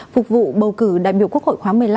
phục vụ bầu cử đại biểu quốc hội khóa một mươi năm